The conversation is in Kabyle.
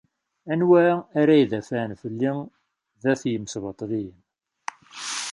Anwa ara idafɛen fell-i dat yimesbaṭliyen?